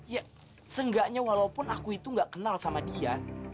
ya seenggaknya walaupun aku itu gak kenal sama dia